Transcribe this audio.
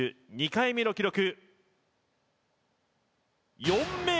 ２回目の記録